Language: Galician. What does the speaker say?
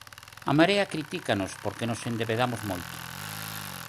A Marea critícanos porque nos endebedamos moito.